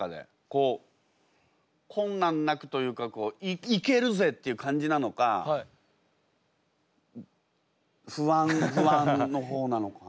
こう困難なくというか「いけるぜ！」っていう感じなのか不安の方なのか。